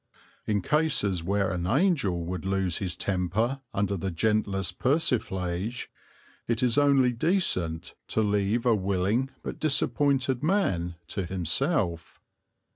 In cases where an angel would lose his temper under the gentlest persiflage it is only decent to leave a willing but disappointed man to himself.